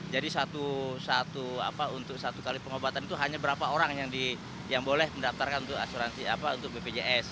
jadi satu kali pengobatan itu hanya berapa orang yang boleh mendaftarkan untuk bpjs